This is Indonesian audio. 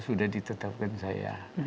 sudah ditetapkan saya